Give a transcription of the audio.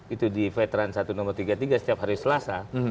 itu di veteran satu nomor tiga puluh tiga setiap hari selasa